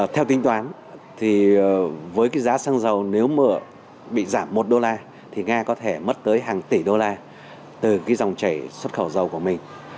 theo tính toán thì với cái giá xăng dầu nếu bị giảm một đô la thì nga có thể mất tới hàng tỷ đô la từ cái dòng chảy xuất khẩu dầu của mình